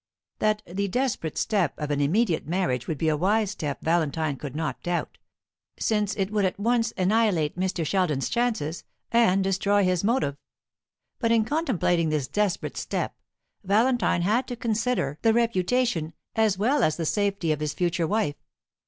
That the desperate step of an immediate marriage would be a wise step Valentine could not doubt, since it would at once annihilate Mr. Sheldon's chances, and destroy his motive. But in contemplating this desperate step Valentine had to consider the reputation as well as the safety of his future wife.